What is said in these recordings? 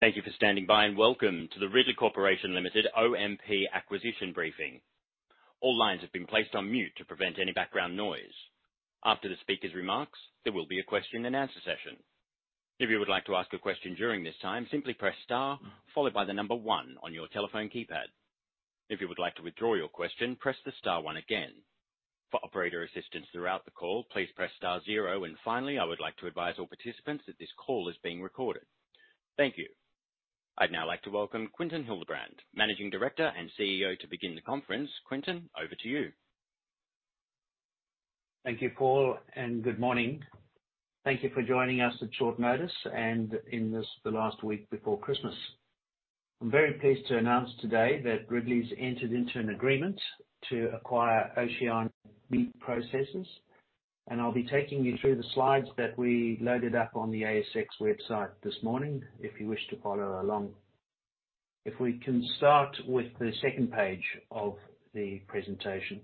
Thank you for standing by, and welcome to the Ridley Corporation Limited OMP Acquisition briefing. All lines have been placed on mute to prevent any background noise. After the speaker's remarks, there will be a question-and-answer session. If you would like to ask a question during this time, simply press star followed by the number one on your telephone keypad. If you would like to withdraw your question, press the star one again. For operator assistance throughout the call, please press star zero. And finally, I would like to advise all participants that this call is being recorded. Thank you. I'd now like to welcome Quinton Hildebrand, Managing Director and CEO, to begin the conference. Quinton, over to you. Thank you, Paul, and good morning. Thank you for joining us at short notice and in this, the last week before Christmas. I'm very pleased to announce today that Ridley's entered into an agreement to acquire Oceania Meat Processors, and I'll be taking you through the slides that we loaded up on the ASX website this morning if you wish to follow along. If we can start with the second page of the presentation.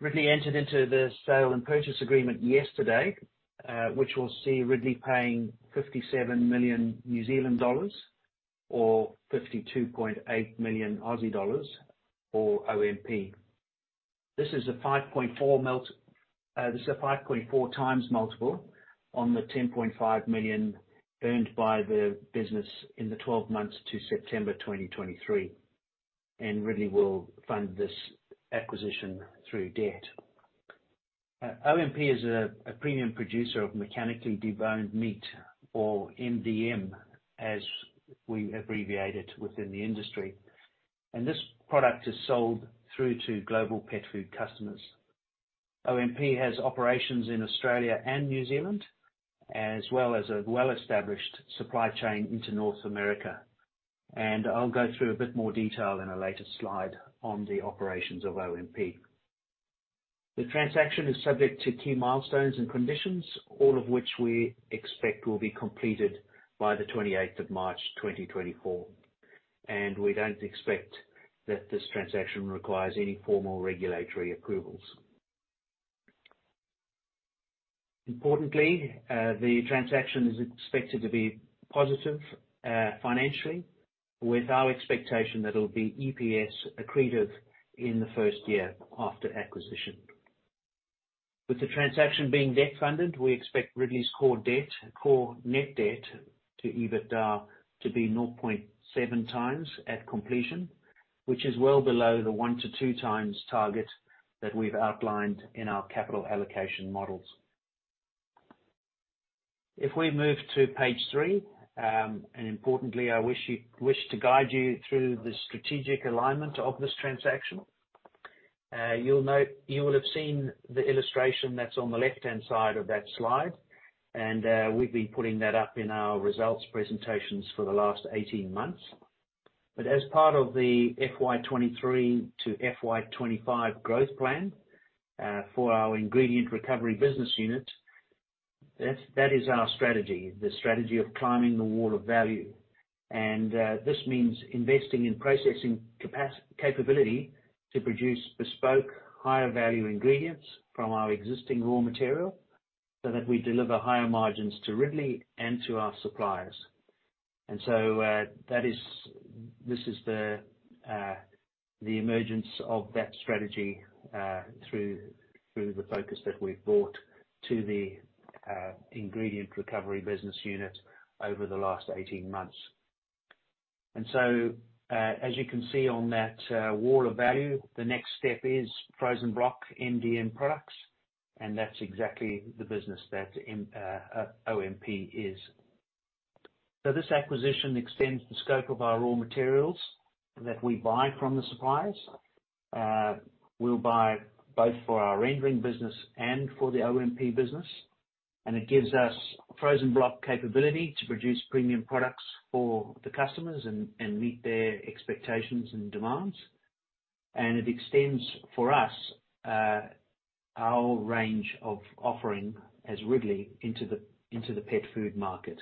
Ridley entered into the sale and purchase agreement yesterday, which will see Ridley paying 57 million New Zealand dollars or 52.8 million Aussie dollars for OMP. This is a 5.4x multiple on the 10.5 million earned by the business in the 12 months to September 2023, and Ridley will fund this acquisition through debt. OMP is a premium producer of mechanically deboned meat, or MDM, as we abbreviate it within the industry, and this product is sold through to global pet food customers. OMP has operations in Australia and New Zealand, as well as a well-established supply chain into North America, and I'll go through a bit more detail in a later slide on the operations of OMP. The transaction is subject to key milestones and conditions, all of which we expect will be completed by the 28 March 2024, and we don't expect that this transaction requires any formal regulatory approvals. Importantly, the transaction is expected to be positive, financially, with our expectation that it'll be EPS accretive in the first year after acquisition. With the transaction being debt-funded, we expect Ridley's core debt, core net debt to EBITDA to be 0.7 times at completion, which is well below the 1x to 2x target that we've outlined in our capital allocation models. If we move to page three, and importantly, I wish to guide you through the strategic alignment of this transaction. You'll note... You will have seen the illustration that's on the left-hand side of that slide, and we've been putting that up in our results presentations for the last 18 months. But as part of the FY 2023 to FY 2025 growth plan, for our Ingredient Recovery business unit, that is our strategy, the strategy of climbing the Wall of Value. This means investing in processing capability to produce bespoke, higher value ingredients from our existing raw material, so that we deliver higher margins to Ridley and to our suppliers. This is the emergence of that strategy through the focus that we've brought to the Ingredient Recovery business unit over the last 18 months. As you can see on that Wall of Value, the next step is frozen block MDM products, and that's exactly the business that OMP is. This acquisition extends the scope of our raw materials that we buy from the suppliers. We'll buy both for our rendering business and for the OMP business, and it gives us frozen block capability to produce premium products for the customers and meet their expectations and demands. It extends, for us, our range of offering as Ridley into the, into the pet food market.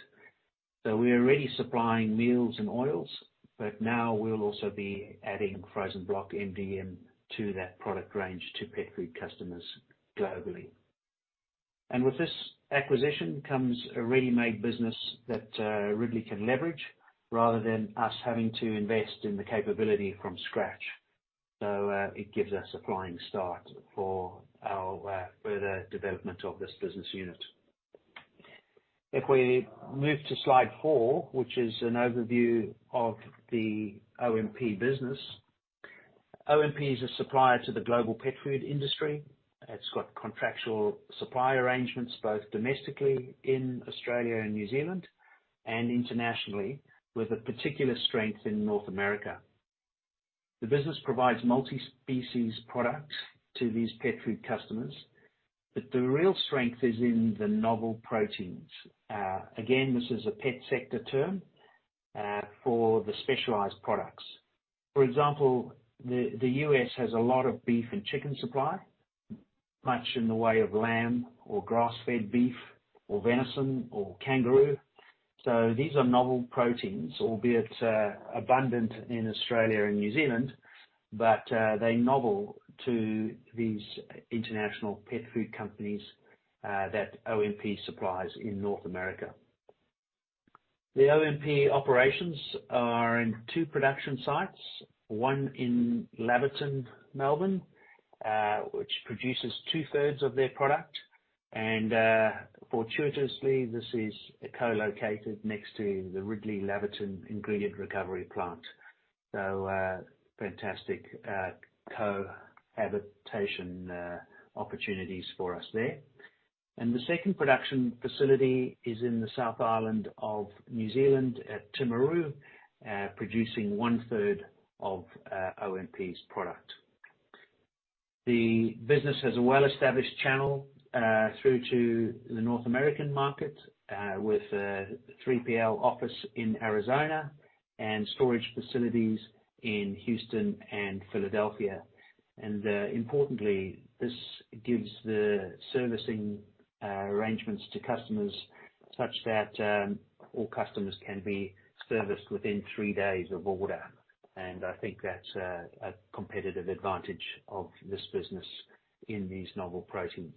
We are already supplying meals and oils, but now we'll also be adding frozen block MDM to that product range to pet food customers globally. With this acquisition comes a ready-made business that, Ridley can leverage, rather than us having to invest in the capability from scratch. It gives us a flying start for our, further development of this business unit. If we move to slide four, which is an overview of the OMP business. OMP is a supplier to the global pet food industry. It's got contractual supply arrangements, both domestically in Australia and New Zealand, and internationally, with a particular strength in North America. The business provides multi-species products to these pet food customers, but the real strength is in the novel proteins. Again, this is a pet sector term for the specialized products. For example, the US has a lot of beef and chicken supply, much in the way of lamb or grass-fed beef or venison or kangaroo. So these are novel proteins, albeit abundant in Australia and New Zealand, but they're novel to these international pet food companies that OMP supplies in North America. The OMP operations are in two production sites, one in Laverton, Melbourne, which produces two-thirds of their product. And fortuitously, this is co-located next to the Ridley Laverton Ingredient Recovery plant. So fantastic cohabitation opportunities for us there. And the second production facility is in the South Island of New Zealand at Timaru, producing one-third of OMP's product. The business has a well-established channel through to the North American market with a 3PL office in Arizona and storage facilities in Houston and Philadelphia. Importantly, this gives the servicing arrangements to customers, such that all customers can be serviced within three days of order. I think that's a competitive advantage of this business in these novel proteins.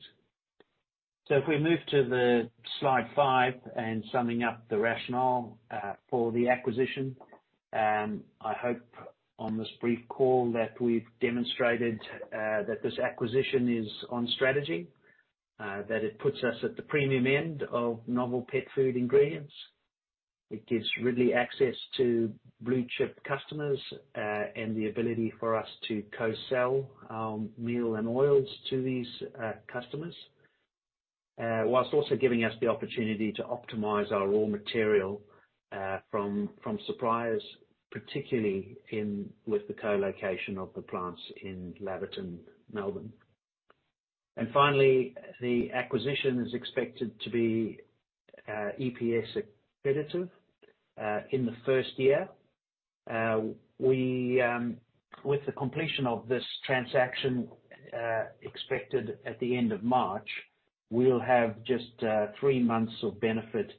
So if we move to slide 5, and summing up the rationale for the acquisition, I hope on this brief call that we've demonstrated that this acquisition is on strategy. That it puts us at the premium end of novel pet food ingredients. It gives Ridley access to blue-chip customers and the ability for us to co-sell our meal and oils to these customers. While also giving us the opportunity to optimize our raw material from suppliers, particularly with the co-location of the plants in Laverton, Melbourne. And finally, the acquisition is expected to be EPS accretive in the first year. With the completion of this transaction expected at the end of March, we'll have just three months of benefit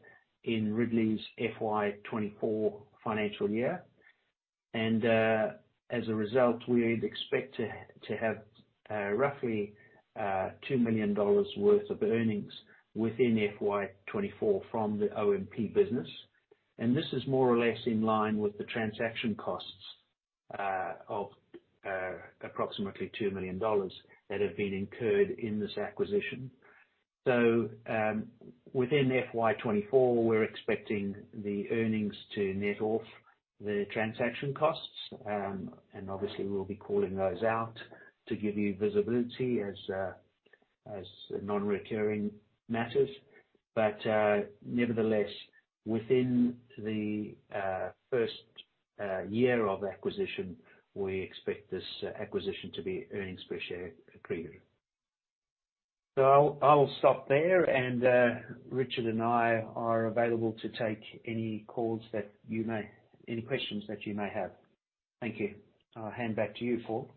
in Ridley's FY 2024 financial year. And as a result, we'd expect to have roughly 2 million dollars worth of earnings within FY 2024 from the OMP business. And this is more or less in line with the transaction costs of approximately 2 million dollars that have been incurred in this acquisition. So within FY 2024, we're expecting the earnings to net off the transaction costs. And obviously, we'll be calling those out to give you visibility as non-recurring matters. But, nevertheless, within the first year of acquisition, we expect this acquisition to be earnings per share accretive. So I'll stop there, and Richard and I are available to take any questions that you may have. Thank you. I'll hand back to you, Paul.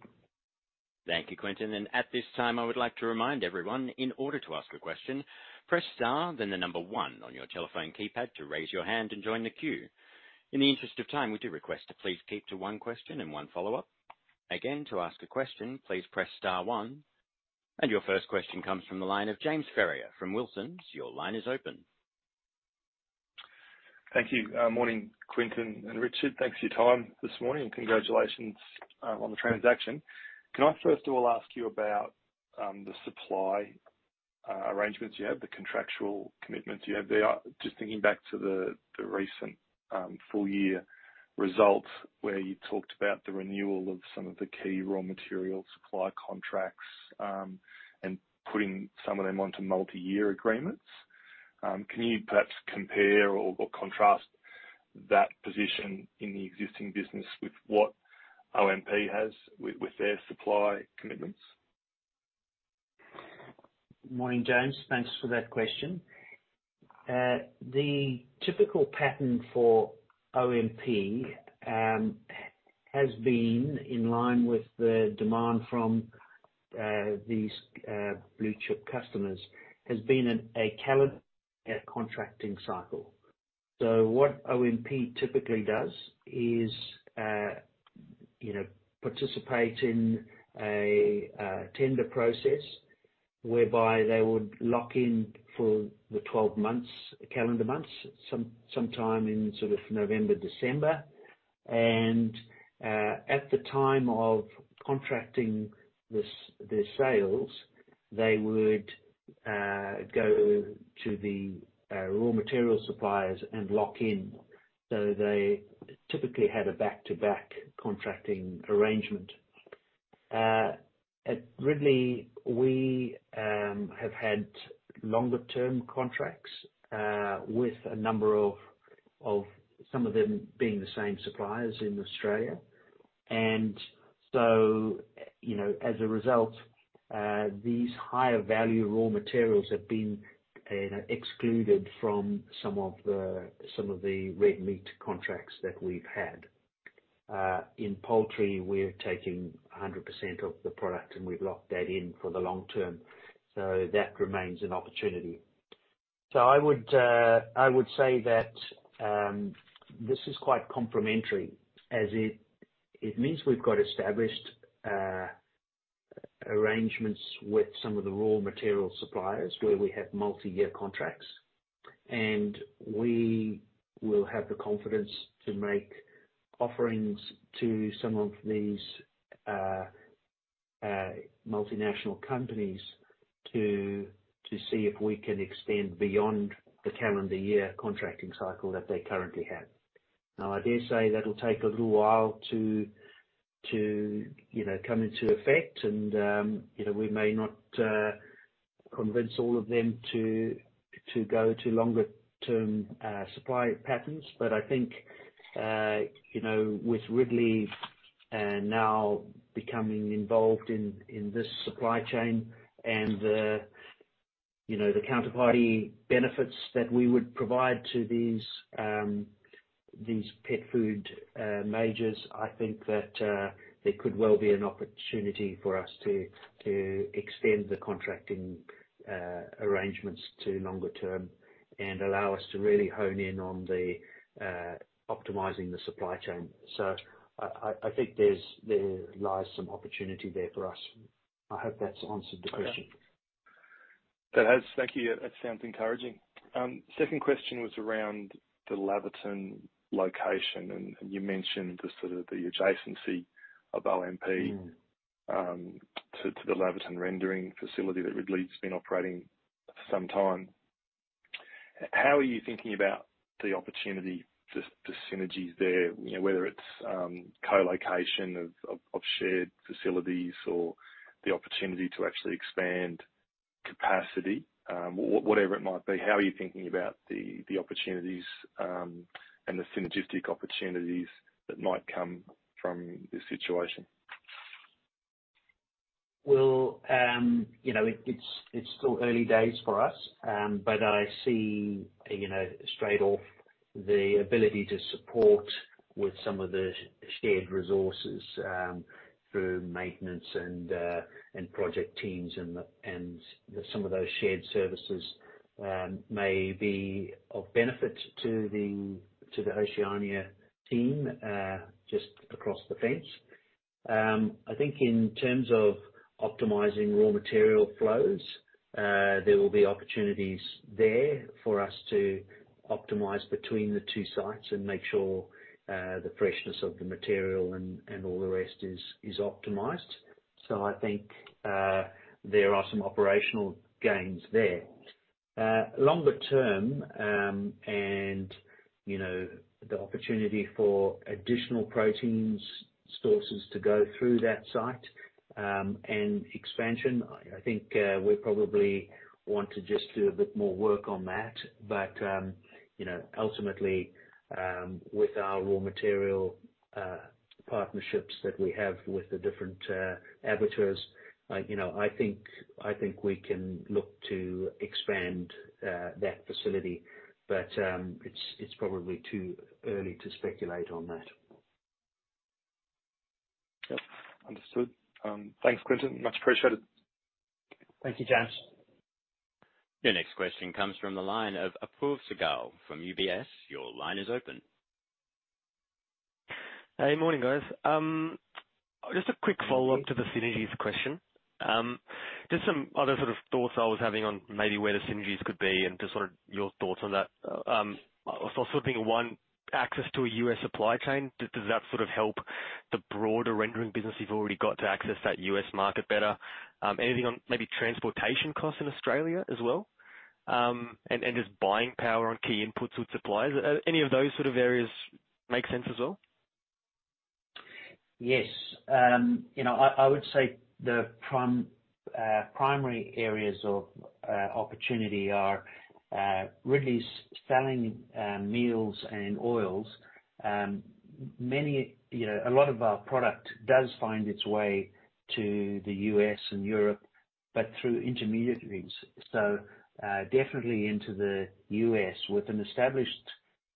Thank you, Quinton. And at this time, I would like to remind everyone, in order to ask a question, press star, then the number one on your telephone keypad to raise your hand and join the queue. In the interest of time, we do request to please keep to one question and one follow-up. Again, to ask a question, please press star one. And your first question comes from the line of James Ferrier from Wilsons. Your line is open. Thank you. Morning, Quinton and Richard. Thanks for your time this morning, and congratulations on the transaction. Can I first of all ask you about the supply arrangements you have, the contractual commitments you have there? Just thinking back to the recent full year results, where you talked about the renewal of some of the key raw material supply contracts, and putting some of them onto multi-year agreements. Can you perhaps compare or contrast that position in the existing business with what OMP has with their supply commitments? Morning, James. Thanks for that question. The typical pattern for OMP has been in line with the demand from these blue-chip customers, has been a calendar contracting cycle. So what OMP typically does is, you know, participate in a tender process, whereby they would lock in for the 12 months, calendar months, sometime in sort of November, December. And at the time of contracting the sales, they would go to the raw material suppliers and lock in. So they typically had a back-to-back contracting arrangement. At Ridley, we have had longer term contracts with a number of some of them being the same suppliers in Australia. And so, you know, as a result, these higher value raw materials have been excluded from some of the, some of the red meat contracts that we've had. In poultry, we're taking 100% of the product, and we've locked that in for the long term, so that remains an opportunity. So I would, I would say that this is quite complementary, as it, it means we've got established arrangements with some of the raw material suppliers, where we have multi-year contracts. And we will have the confidence to make offerings to some of these multinational companies to, to see if we can extend beyond the calendar year contracting cycle that they currently have. Now, I dare say that'll take a little while to you know come into effect, and you know we may not convince all of them to go to longer-term supply patterns. But I think you know with Ridley now becoming involved in this supply chain and the you know the counterparty benefits that we would provide to these these pet food majors, I think that there could well be an opportunity for us to extend the contracting arrangements to longer term and allow us to really hone in on the optimizing the supply chain. So I think there lies some opportunity there for us. I hope that's answered the question. It has. Thank you. That sounds encouraging. Second question was around the Laverton location, and you mentioned sort of the adjacency of OMP... Mm. To the Laverton rendering facility that Ridley's been operating for some time. How are you thinking about the opportunity, the synergies there? You know, whether it's co-location of shared facilities or the opportunity to actually expand capacity. Whatever it might be, how are you thinking about the opportunities and the synergistic opportunities that might come from this situation? Well, you know, it's still early days for us, but I see, you know, straight off, the ability to support with some of the shared resources through maintenance and project teams, and some of those shared services may be of benefit to the Oceania team just across the fence. I think in terms of optimizing raw material flows, there will be opportunities there for us to optimize between the two sites and make sure the freshness of the material and all the rest is optimized. So I think there are some operational gains there. Longer term, you know, the opportunity for additional proteins sources to go through that site and expansion. I think we probably want to just do a bit more work on that. But you know, ultimately, with our raw material partnerships that we have with the different abattoirs, you know, I think we can look to expand that facility, but it's probably too early to speculate on that. Yep. Understood. Thanks, Quinton, much appreciated. Thank you, James. Your next question comes from the line of Apoorv Sehgal from UBS. Your line is open. Hey, morning, guys. Just a quick follow-up to the synergies question. Just some other sort of thoughts I was having on maybe where the synergies could be and just sort of your thoughts on that. I was sort of thinking, one, access to a US supply chain, does that sort of help the broader rendering business you've already got to access that US market better? Anything on maybe transportation costs in Australia as well, and just buying power on key inputs with suppliers? Any of those sort of areas make sense as well? Yes. You know, I would say the primary areas of opportunity are Ridley's selling meals and oils. You know, a lot of our product does find its way to the US and Europe, but through intermediaries. So, definitely into the US with an established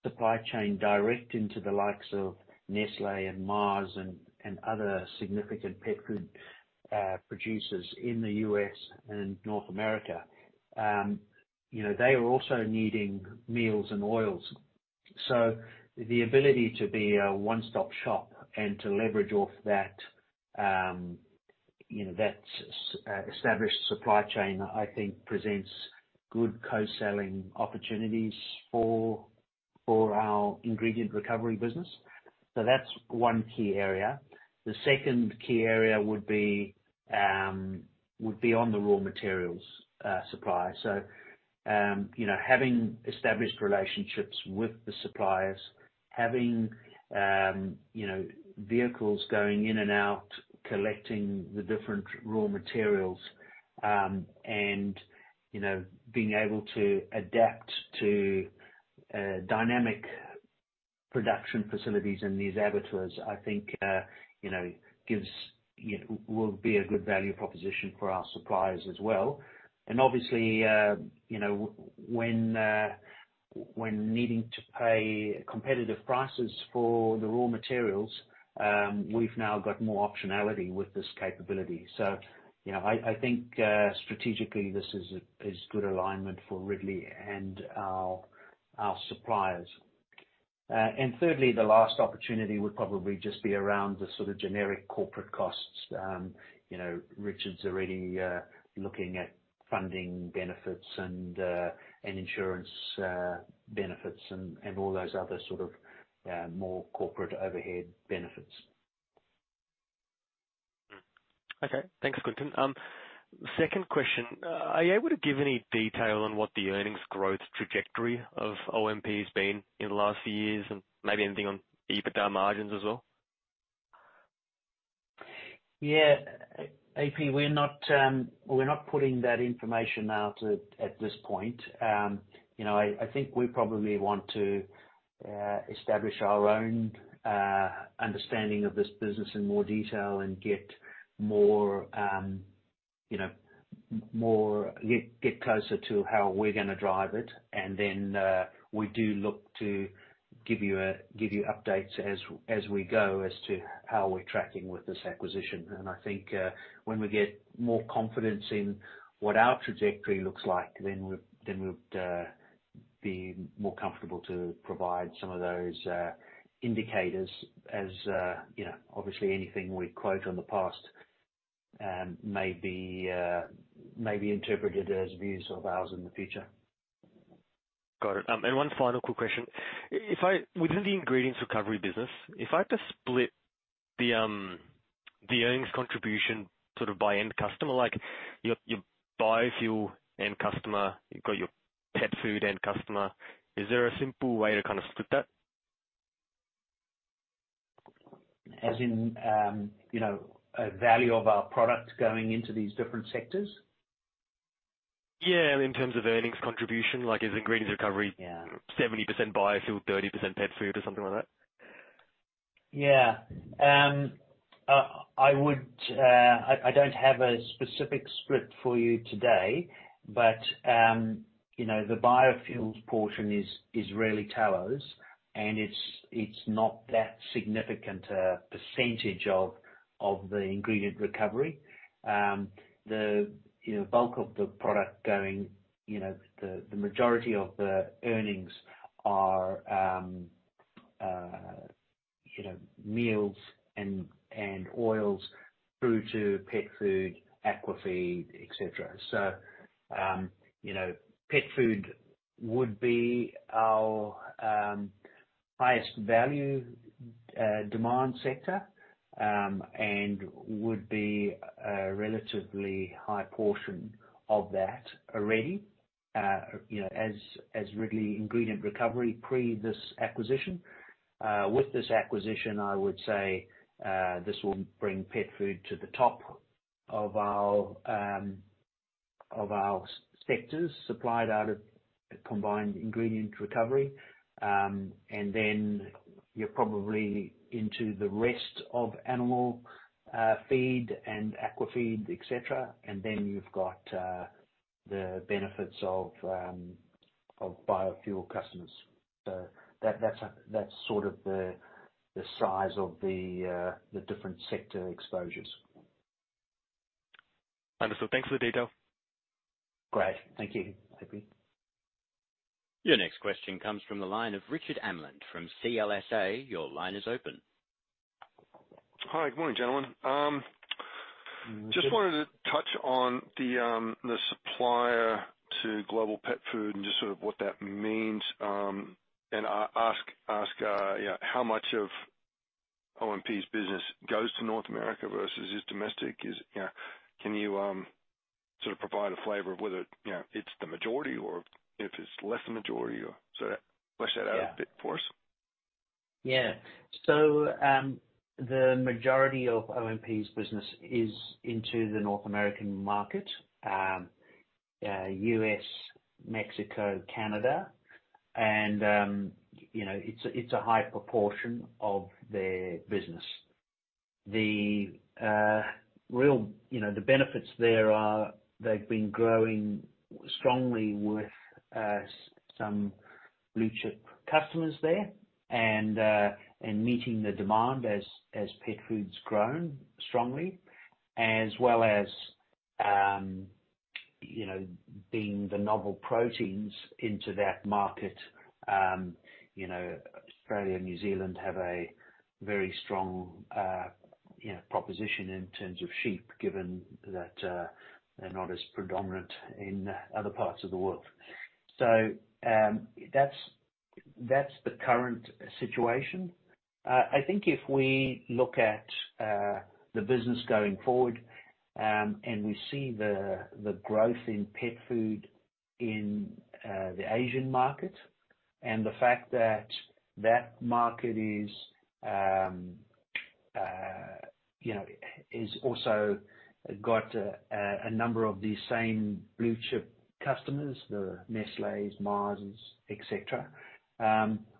supply chain direct into the likes of Nestlé and Mars and other significant pet food producers in the US and North America. You know, they are also needing meals and oils, so the ability to be a one-stop shop and to leverage off that, you know, that established supply chain, I think presents good co-selling opportunities for our Ingredient Recovery business. So that's one key area. The second key area would be, would be on the raw materials supply. So, you know, having established relationships with the suppliers, having, you know, vehicles going in and out, collecting the different raw materials, and, you know, being able to adapt to dynamic production facilities in these abattoirs, I think, you know, gives... will be a good value proposition for our suppliers as well. And obviously, you know, when, when needing to pay competitive prices for the raw materials, we've now got more optionality with this capability. So, you know, I think, strategically this is good alignment for Ridley and our suppliers... And thirdly, the last opportunity would probably just be around the sort of generic corporate costs. You know, Richard's already looking at funding benefits and insurance benefits and all those other sort of more corporate overhead benefits. Hmm. Okay. Thanks, Quinton. Second question, are you able to give any detail on what the earnings growth trajectory of OMP has been in the last few years, and maybe anything on EBITDA margins as well? Yeah, Apoorv, we're not putting that information out at this point. You know, I think we probably want to establish our own understanding of this business in more detail and get more, you know, more-- get closer to how we're gonna drive it. And then, we do look to give you updates as we go, as to how we're tracking with this acquisition. And I think, when we get more confidence in what our trajectory looks like, then we'd be more comfortable to provide some of those indicators as, you know, obviously anything we quote on the past may be interpreted as views of ours in the future. Got it. And one final quick question: if I within the ingredients recovery business, if I had to split the, the earnings contribution, sort of, by end customer, like your, your biofuel end customer, you've got your pet food end customer, is there a simple way to kind of split that? As in, you know, a value of our product going into these different sectors? Yeah, in terms of earnings contribution, like, is Ingredient Recovery... Yeah. 70% biofuel, 30% pet food, or something like that? Yeah. I would, I don't have a specific split for you today, but, you know, the biofuels portion is really tallows, and it's not that significant a percentage of the Ingredient Recovery. You know, bulk of the product going, you know, the majority of the earnings are, you know, meals and oils through to pet food, aqua feed, et cetera. So, you know, pet food would be our highest value demand sector and would be a relatively high portion of that already. You know, as Ridley Ingredient Recovery, pre this acquisition. With this acquisition, I would say, this will bring pet food to the top of our sectors, supplied out of combined Ingredient Recovery. And then you're probably into the rest of animal feed and aqua feed, et cetera. And then you've got the benefits of biofuel customers. So that's sort of the size of the different sector exposures. Understood. Thanks for the detail. Great. Thank you Apoorv. Your next question comes from the line of Richard Barwick from CLSA. Your line is open. Hi, good morning, gentlemen. Just wanted to touch on the supplier to global pet food and just sort of what that means. And ask, you know, how much of OMP's business goes to North America versus is domestic. You know, can you sort of provide a flavor of whether, you know, it's the majority or if it's less than majority or sort of flesh that out... Yeah. a bit for us? Yeah. So, the majority of OMP's business is into the North American market, US, Mexico, Canada. And, you know, it's a, it's a high proportion of their business. The real, you know, the benefits there are, they've been growing strongly with some blue chip customers there, and and meeting the demand as, as pet food's grown strongly, as well as, you know, being the novel proteins into that market. You know, Australia and New Zealand have a very strong, you know, proposition in terms of sheep, given that, they're not as predominant in other parts of the world. So, that's, that's the current situation. I think if we look at the business going forward, and we see the growth in pet food in the Asian market, and the fact that that market is, you know, is also got a number of these same blue chip customers, the Nestlés, Marses, et cetera,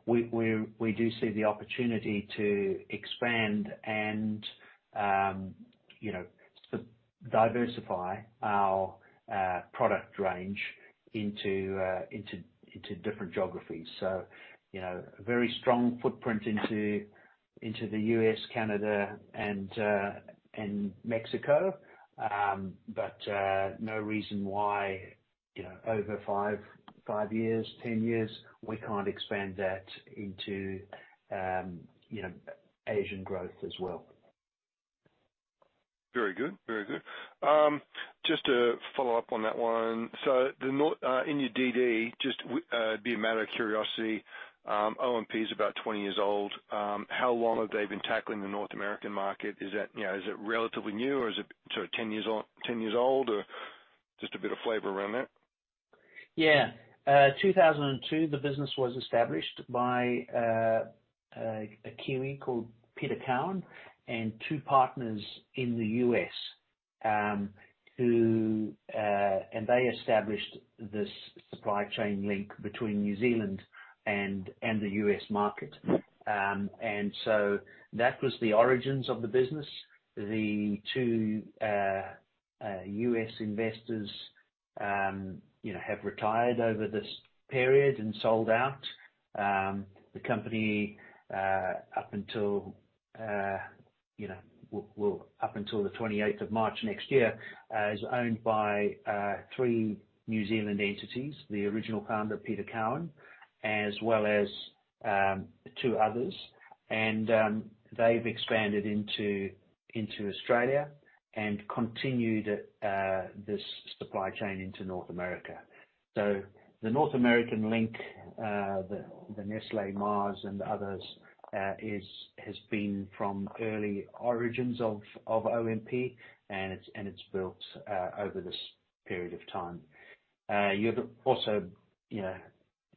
we do see the opportunity to expand and, you know, diversify our product range into different geographies. So, you know, a very strong footprint into the US, Canada, and Mexico. But no reason why, you know, over 5, 5 years, 10 years, we can't expand that into, you know, Asian growth as well. Very good. Very good. Just to follow up on that one, in your DD, just be a matter of curiosity, OMP is about 20 years old. How long have they been tackling the North American market? Is that, you know, is it relatively new, or is it sort of 10 years old, 10 years old? Or just a bit of flavor around that. Yeah. 2002, the business was established by a Kiwi called Peter Cowan and two partners in the US, who... And they established this supply chain link between New Zealand and the US market. And so that was the origins of the business. The two US investors, you know, have retired over this period and sold out. The company, up until, you know, well, up until the 28 March 2024 next year, is owned by three New Zealand entities, the original founder, Peter Cowan, as well as two others. And they've expanded into Australia and continued this supply chain into North America. So the North American link, the Nestlé, Mars, and others, has been from early origins of OMP, and it's built over this period of time. You'll also, you know,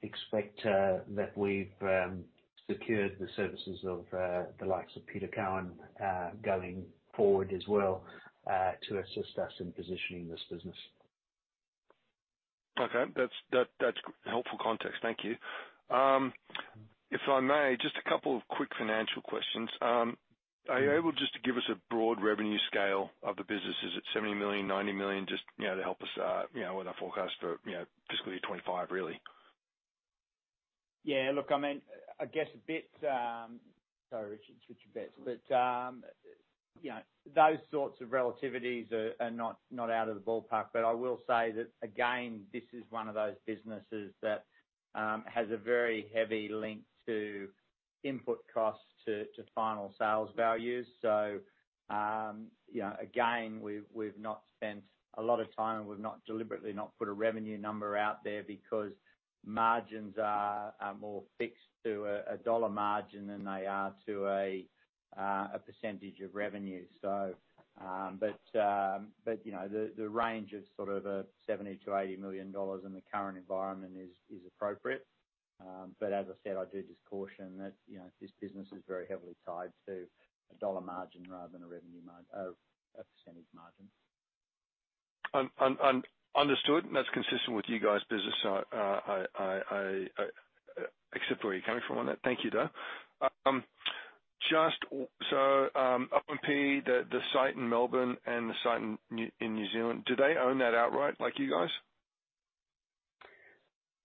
expect that we've secured the services of the likes of Peter Cowan going forward as well to assist us in positioning this business. Okay. That's helpful context. Thank you. If I may, just a couple of quick financial questions. Are you able just to give us a broad revenue scale of the business? Is it 70 million, 90 million? Just, you know, to help us out, you know, with our forecast for, you know, fiscal year 2025, really. Yeah, look, I mean, I guess a bit, sorry, Richard, switch your bits. But, you know, those sorts of relativities are, are not, not out of the ballpark. But I will say that, again, this is one of those businesses that, has a very heavy link to input costs to, to final sales values. So, you know, again, we've, we've not spent a lot of time, and we've not deliberately not put a revenue number out there because margins are, are more fixed to a, a dollar margin than they are to a, a percentage of revenue. So, but, but, you know, the, the range of sort of, 70 to 80 million in the current environment is, is appropriate. But as I said, I do just caution that, you know, this business is very heavily tied to a dollar margin rather than a percentage margin. Understood, and that's consistent with you guys' business, so I accept where you're coming from on that. Thank you, though. Just so, OMP, the site in Melbourne and the site in New Zealand, do they own that outright like you guys?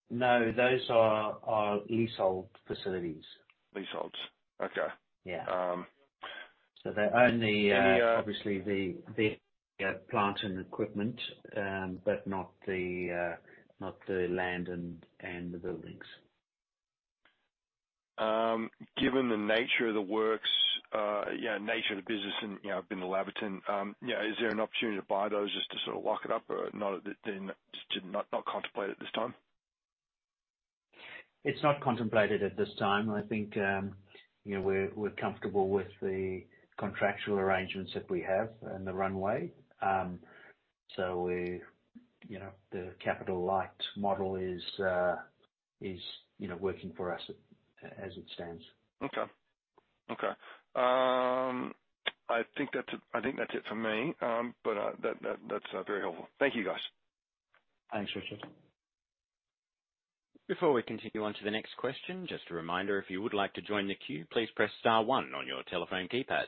No, those are leasehold facilities. Leaseholds. Okay. Yeah. Um. So they own the... And the... Obviously, the plant and equipment, but not the land and the buildings. Given the nature of the works, you know, nature of the business and, you know, up in the Laverton, you know, is there an opportunity to buy those just to sort of lock it up or not then, just not, not contemplated at this time? It's not contemplated at this time. I think, you know, we're comfortable with the contractual arrangements that we have and the runway. So we, you know, the capital light model is, you know, working for us as it stands. Okay. Okay. I think that's it for me. But that's very helpful. Thank you, guys. Thanks, Richard. Before we continue on to the next question, just a reminder, if you would like to join the queue, please press star one on your telephone keypad.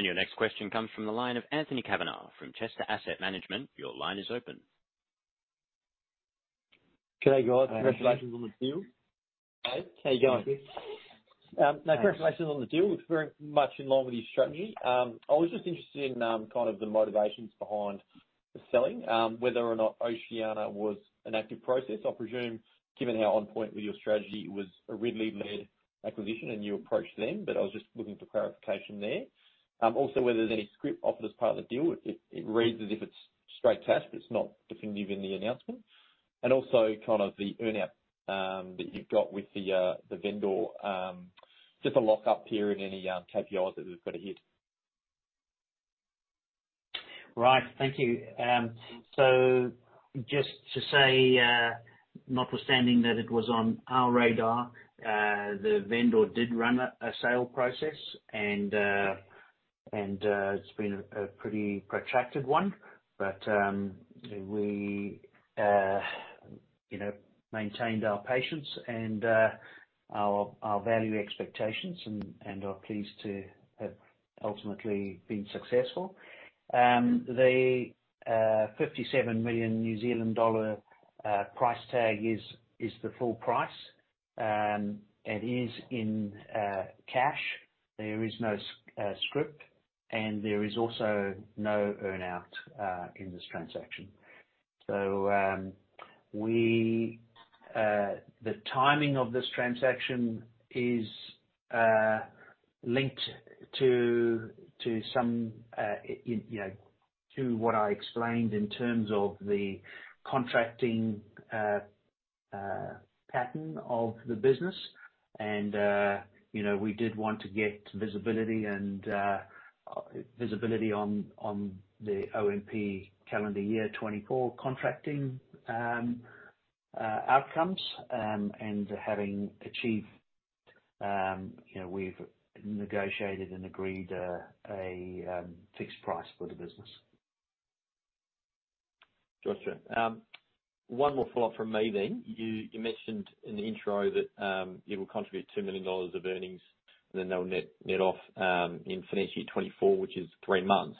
Your next question comes from the line of Anthony Kavanagh from Chester Asset Management. Your line is open. Good day, guys. Hi. Congratulations on the deal. Hi, how you going? Congratulations on the deal. It's very much in line with your strategy. I was just interested in kind of the motivations behind the selling, whether or not Oceania was an active process. I presume, given how on point with your strategy, it was a Ridley-led acquisition, and you approached them, but I was just looking for clarification there. Also, whether there's any scrip offered as part of the deal. It reads as if it's straight cash, but it's not definitive in the announcement. And also, kind of the earn-out that you've got with the vendor, just a lockup period and any KPIs that they've got to hit. Right. Thank you. So just to say, notwithstanding that it was on our radar, the vendor did run a sale process, and it's been a pretty protracted one. But we you know maintained our patience and our value expectations and are pleased to have ultimately been successful. The fifty-seven million New Zealand dollar price tag is the full price and is in cash. There is no scrip, and there is also no earn-out in this transaction. So the timing of this transaction is linked to some you know to what I explained in terms of the contracting pattern of the business. And, you know, we did want to get visibility and visibility on the OMP calendar year 2024 contracting outcomes. And having achieved, you know, we've negotiated and agreed a fixed price for the business. Gotcha. One more follow-up from me then. You, you mentioned in the intro that, it will contribute 2 million dollars of earnings, and then they'll net, net off, in financial year 2024, which is three months.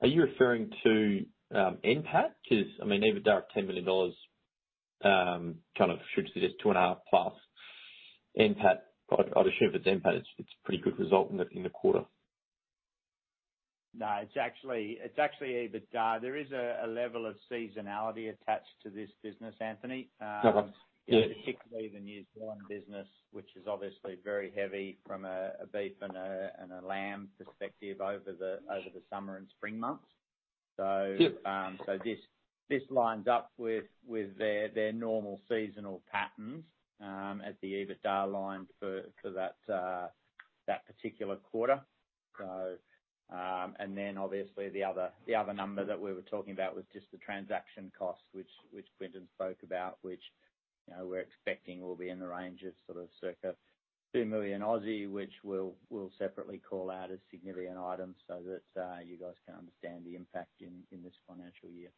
Are you referring to, NPAT? 'Cause, I mean, EBITDA of 10 million dollars, kind of should suggest 2.5+ NPAT. I'd, I'd assume if it's NPAT, it's, it's a pretty good result in the, in the quarter. No, it's actually, it's actually, EBITDA. There is a level of seasonality attached to this business, Anthony. Okay. Yeah. Particularly the New Zealand business, which is obviously very heavy from a beef and a lamb perspective over the summer and spring months. Yep. So, this lines up with their normal seasonal patterns at the EBITDA line for that particular quarter. And then obviously, the other number that we were talking about was just the transaction cost, which Quinton spoke about, which, you know, we're expecting will be in the range of sort of circa 2 million, which we'll separately call out as significant items, so that you guys can understand the impact in this financial year.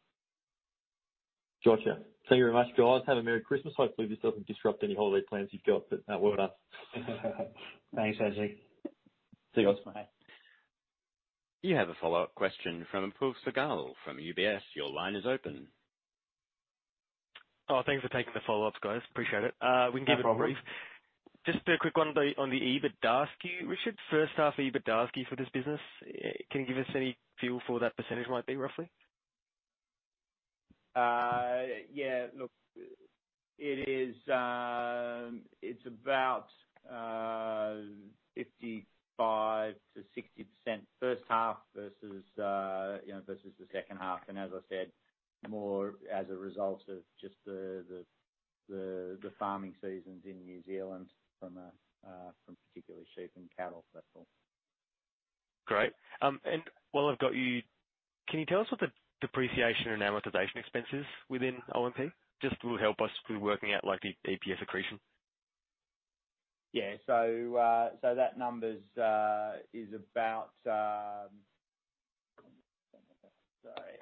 Gotcha. Thank you very much, guys. Have a Merry Christmas. Hopefully, this doesn't disrupt any holiday plans you've got, but, well done. Thanks, Anthony. See you, bye. You have a follow-up question from Apoorv Sehgal from UBS. Your line is open. Oh, thanks for taking the follow-ups, guys. Appreciate it. We can keep it brief. No problem. Just a quick one on the, on the EBITDA SKU. Richard, first half EBITDA SKU for this business, can you give us any feel for what that percentage might be, roughly? Yeah, look, it is, it's about 55% to 60% first half versus, you know, versus the second half. And as I said, more as a result of just the farming seasons in New Zealand from particularly sheep and cattle, that's all. Great. And while I've got you, can you tell us what the depreciation and amortization expense is within OMP? Just will help us through working out like, the EPS accretion. Yeah. So, that number's about... Sorry,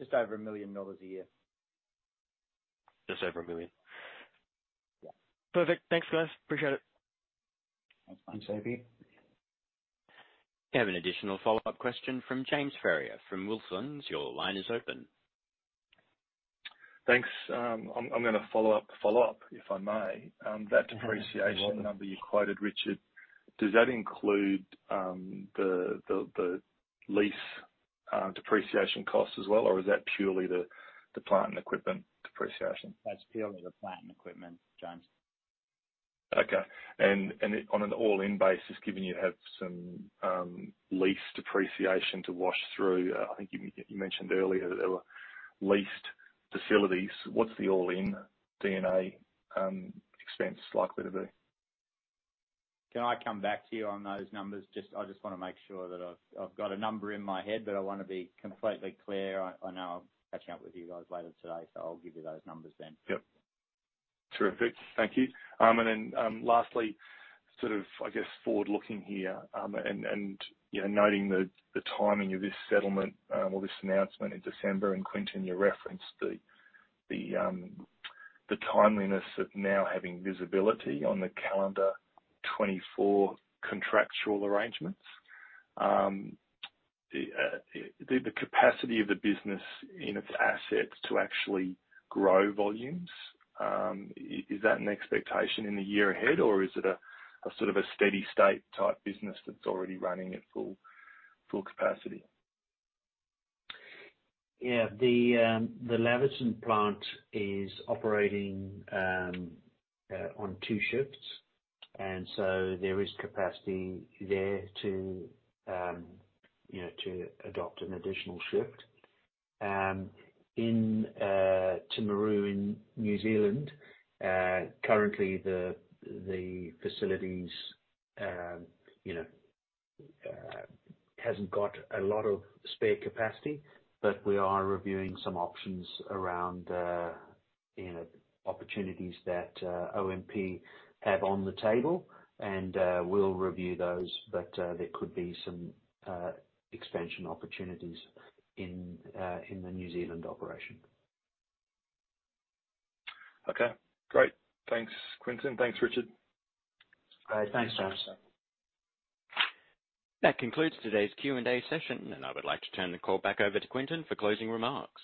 just over 1 million dollars a year. Just over 1 million? Yeah. Perfect. Thanks, guys. Appreciate it. No, thanks, Apoorv. You have an additional follow-up question from James Ferrier from Wilsons. Your line is open. Thanks. I'm gonna follow up, if I may. Mm-hmm. That depreciation number you quoted, Richard, does that include the lease depreciation cost as well, or is that purely the plant and equipment depreciation? That's purely the plant and equipment, James. Okay. On an all-in basis, given you have some lease depreciation to wash through, I think you mentioned earlier that there were leased facilities. What's the all-in D&A expense likely to be? Can I come back to you on those numbers? Just, I just wanna make sure that I've, I've got a number in my head, but I wanna be completely clear. I, I know I'm catching up with you guys later today, so I'll give you those numbers then. Yep. Terrific. Thank you. And then, lastly, sort of, I guess, forward looking here, and you know, noting the timing of this settlement, or this announcement in December, and Quinton, you referenced the timeliness of now having visibility on the calendar 2024 contractual arrangements. The capacity of the business in its assets to actually grow volumes, is that an expectation in the year ahead, or is it a sort of a steady-state type business that's already running at full capacity? Yeah, the Laverton plant is operating on two shifts, and so there is capacity there to, you know, to adopt an additional shift. In Timaru, in New Zealand, currently the facilities, you know, hasn't got a lot of spare capacity, but we are reviewing some options around the, you know, opportunities that OMP have on the table, and we'll review those. But there could be some expansion opportunities in the New Zealand operation. Okay, great. Thanks, Quinton. Thanks, Richard. Great. Thanks, James. That concludes today's Q&A session, and I would like to turn the call back over to Quinton for closing remarks.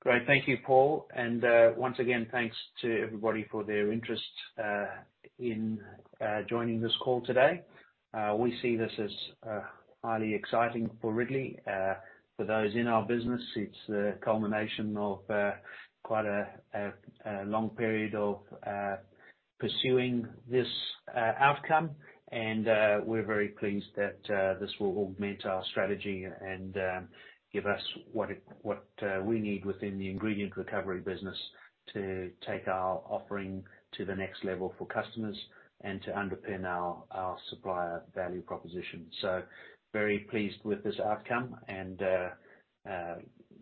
Great. Thank you, Paul, and once again, thanks to everybody for their interest in joining this call today. We see this as highly exciting for Ridley. For those in our business, it's the culmination of quite a long period of pursuing this outcome. And we're very pleased that this will augment our strategy and give us what we need within the Ingredient Recovery business to take our offering to the next level for customers and to underpin our supplier value proposition. So very pleased with this outcome and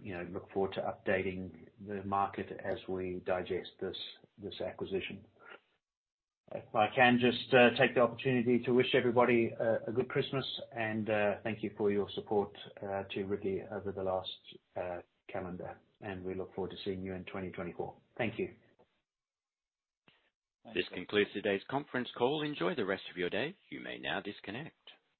you know, look forward to updating the market as we digest this acquisition. If I can just take the opportunity to wish everybody a good Christmas and thank you for your support to Ridley over the last calendar. We look forward to seeing you in 2024. Thank you. This concludes today's conference call. Enjoy the rest of your day. You may now disconnect.